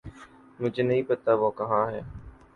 مجھے نہیں پتا وہ کہاں ہے